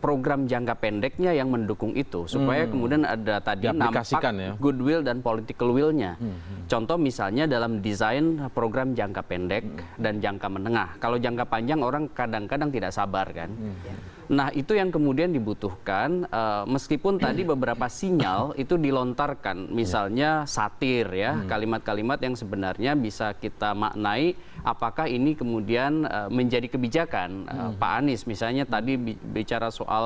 program jangka pendeknya yang mendukung itu supaya kemudian ada tadi nampak goodwill dan political will nya contoh misalnya dalam desain program jangka pendek dan jangka menengah kalau jangka panjang orang kadang kadang tidak sabar kan nah itu yang kemudian dibutuhkan meskipun tadi beberapa sinyal itu dilontarkan misalnya satir ya kalimat kalimat yang sebenarnya bisa kita maknai apakah ini kemudian menjadi kebijakan pak anies misalnya tadi bicara soal